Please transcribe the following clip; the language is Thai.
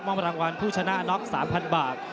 มองประรางวัลผู้ชนะน็อก๓๐๐๐บาท